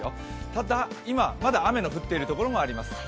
ただ、今、まだ雨の降っているところもあります。